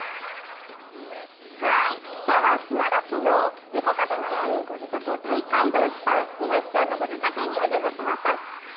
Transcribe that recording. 今日は島田市の猫カフェのようにご自宅を大改造した二橋さんのご自宅にお邪魔しました。